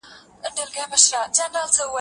یو تور کارغه ته ځير یو